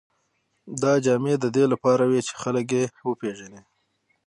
دا جامې د دې لپاره وې چې خلک یې وپېژني.